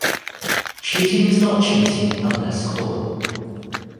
Cheating is not cheating unless caught.